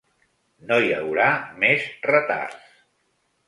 No hi haurà més retards.